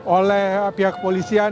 oleh pihak kepolisian